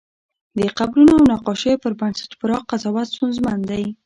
د قبرونو او نقاشیو پر بنسټ پراخ قضاوت ستونزمن دی.